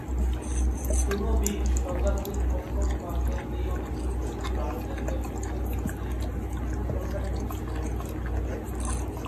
ঊনবিংশ শতাব্দীর প্রথম ভাগে এই অঞ্চলগুলি ভারতের এক-তৃতীয়াংশ নিয়ে প্রসারিত ছিল।